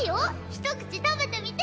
ひと口食べてみて。